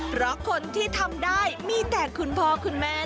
เพราะคนที่ทำได้มีแต่คุณพ่อคุณแม่